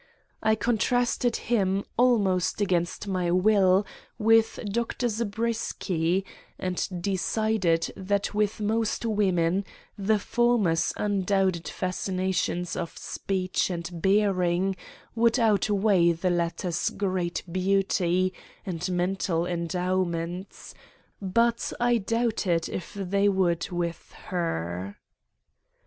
I contrasted him, almost against my will, with Dr. Zabriskie, and decided that with most women the former's undoubted fascinations of speech and bearing would outweigh the latter's great beauty and mental endowments; but I doubted if they would with her.